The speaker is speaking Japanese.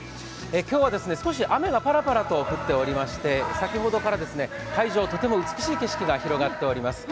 今日は少し雨がパラパラと降っておりまして、先ほどから海上、とても美しい景色が広がっています。